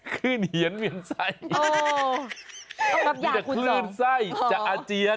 คืนเหยียนเหวียนไส้มีแต่คืนไส้จากอาเจียน